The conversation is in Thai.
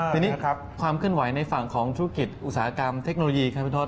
ทีนี้ความเคลื่อนไหวในฝั่งของธุรกิจอุตสาหกรรมเทคโนโลยีครับพี่ทศ